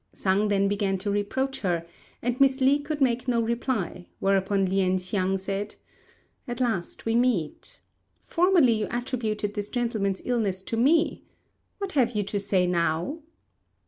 Sang then began to reproach her, and Miss Li could make no reply; whereupon Lien hsiang said, "At last we meet. Formerly you attributed this gentleman's illness to me; what have you to say now?"